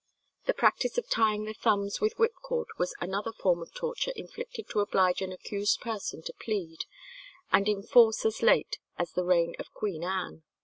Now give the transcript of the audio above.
The practice of tying the thumbs with whipcord was another form of torture inflicted to oblige an accused person to plead, and in force as late as the reign of Queen Anne.